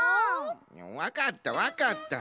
わかったわかった。